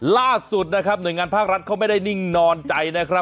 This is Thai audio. ล่าสุดนะครับหน่วยงานภาครัฐเขาไม่ได้นิ่งนอนใจนะครับ